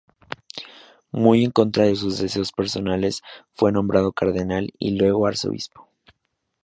Muy en contra de sus deseos personales, fue nombrado cardenal y luego arzobispo.